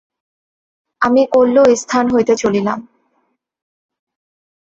আমি কল্য এস্থান হইতে চলিলাম।